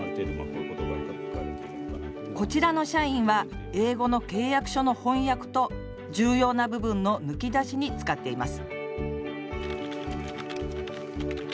こちらの社員は英語の契約書の翻訳と重要な部分の抜き出しに使っています